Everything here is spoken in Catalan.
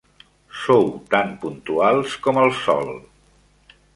Sou tan puntuals com el sol.